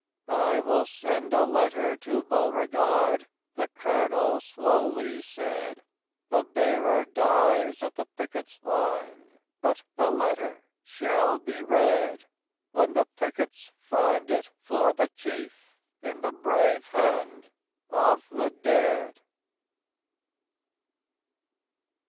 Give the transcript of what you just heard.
"I will send a letter to Beauregard," The Colonel slowly said; "The bearer dies at the pickets' line, But the letter shall be read When the pickets find it for the Chief, In the brave hand of the dead."